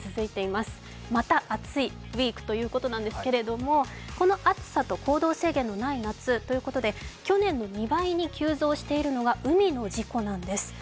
また暑いウイークということなんですけれどもこの暑さと行動制限のない夏ということで去年の２倍に急増しているのが海の事故なんです。